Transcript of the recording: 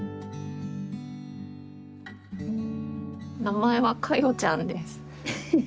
名前は華代ちゃんです。